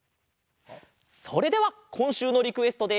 それではこんしゅうのリクエストで。